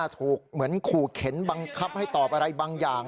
เหมือนขู่เข็นบังคับให้ตอบอะไรบางอย่าง